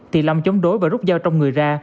thì lâm chống đối và rút dao trong người ra